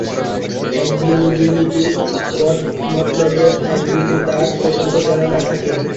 একবিন্দু দুর্নীতি, বদ মতলবের একবিন্দু দাগ পর্যন্ত যেন না থাকে।